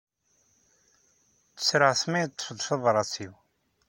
Ttreɣ-t ma yeṭṭef-d tabṛat-iw.